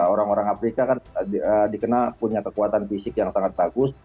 orang orang afrika kan dikenal punya kekuatan fisik yang sangat bagus